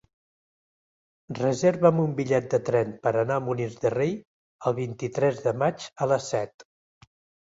Reserva'm un bitllet de tren per anar a Molins de Rei el vint-i-tres de maig a les set.